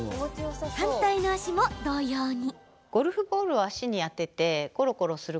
反対の足も同様に。